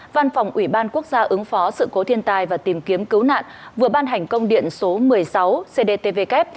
văn phòng ủy ban quốc gia ứng phó sự cố thiên tai và tìm kiếm cứu nạn vừa ban hành công điện số một mươi sáu cdtvk